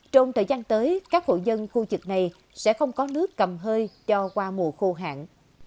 trong thời gian tới các hộ dân khu vực này sẽ không có nước cầm hơi cho qua mùa khô hạn